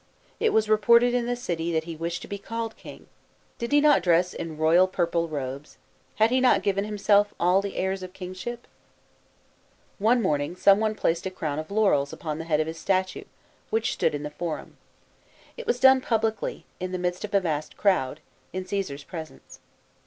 It was reported in the city, that he wished to be called king. Did he not dress in royal purple robes, had he not given himself all the airs of kingship ? One morning some one placed a crown of laurels, upon the head of his statue, which stood in the Forum. It was done publicly, in the midst of a vast crowd, in (Caesar's presence.